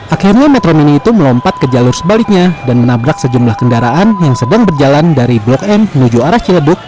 akhirnya metro mini itu melompat ke jalur sebaliknya dan menabrak sejumlah kendaraan yang sedang berjalan dari blok m menuju arah ciledug